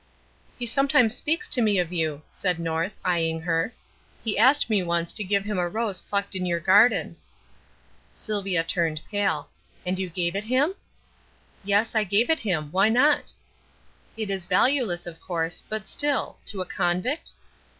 "He sometimes speaks to me of you," said North, eyeing her. "He asked me once to give him a rose plucked in your garden." Sylvia turned pale. "And you gave it him?" "Yes, I gave it him. Why not?" "It was valueless, of course, but still to a convict?"